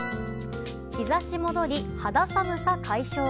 日差し戻り、肌寒さ解消。